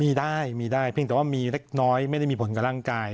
มีได้มีได้เพียงแต่ว่ามีเล็กน้อยไม่ได้มีผลกับร่างกาย